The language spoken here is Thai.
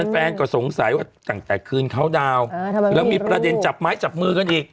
แฟนก็สงสัยว่าตั้งแต่คืนเขาดาวน์แล้วมีประเด็นจับไม้จับมือกันอีก